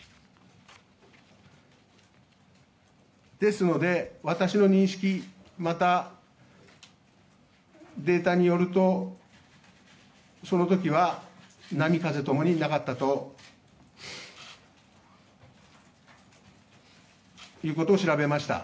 ですので、私の認識また、データによるとその時は波・風ともになかったということを調べました。